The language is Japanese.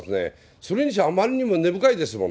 それにしちゃ、あんまりにも根深いですもの。